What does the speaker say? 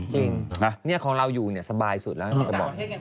จริงนี่ของเราอยู่สบายสุดแล้วมันจะบอกต่างประเทศไงครับ